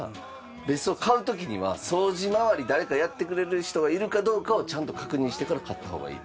別荘買う時には掃除まわり誰かやってくれる人がいるかどうかをちゃんと確認してから買った方がいい。